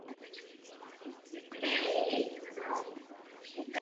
Mám pocit, že jsem to četl.